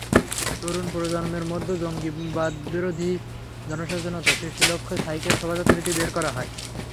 তরুণ প্রজন্মের মধ্যে জঙ্গিবাদবিরোধী জনসচেতনতা সৃষ্টির লক্ষ্যে সাইকেল শোভাযাত্রাটি বের করা হয়।